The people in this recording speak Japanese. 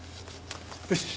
よし。